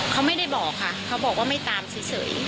เขาไม่ได้บอกค่ะเขาบอกว่าไม่ตามเฉย